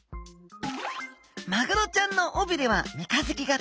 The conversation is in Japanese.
マグロちゃんの尾びれは三日月形。